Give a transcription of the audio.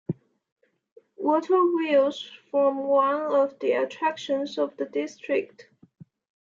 Water wheels form one of the attractions of the district.